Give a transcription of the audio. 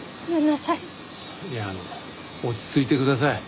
いやあの落ち着いてください。